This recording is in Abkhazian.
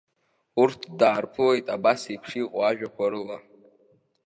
Урҭ даарԥылеит абасеиԥш иҟоу ажәақәа рыла.